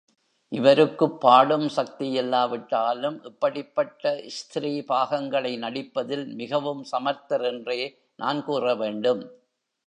இவருக்குப் பாடும் சக்தியில்லாவிட்டாலும், இப்படிப்பட்ட ஸ்திரீ பாகங்களை நடிப்பதில் மிகவும் சமர்த்தர் என்றே நான் கூற வேண்டும்.